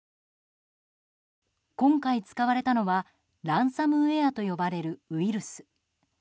今回使われたのはランサムウェアと呼ばれるウイルス。